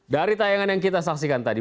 dari tayangan yang kita saksikan tadi